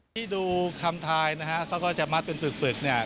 ที่ดูคำทายนะฮะเขาก็จะมัดเป็นปึกเนี่ย